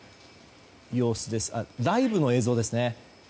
ライブの映像です。